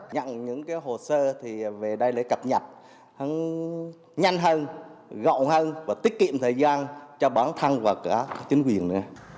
nhận những hồ sơ về đây để cập nhật nhanh hơn gọn hơn và tiết kiệm thời gian cho bản thân và cả chính quyền